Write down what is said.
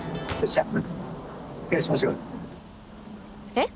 えっ！